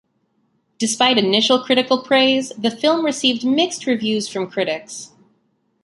Despite initial critical praise, the film received mixed reviews from critics.